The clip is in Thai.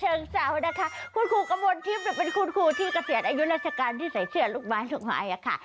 เชิงเศร้านะคะคุณครูกระมวลทิพย์เป็นคุณครูที่เกษียณอายุราชการที่ใส่เสื้อลูกไม้ลูกไม้อะค่ะ